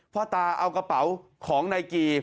พ่อตาเอากระเป๋าของนายกี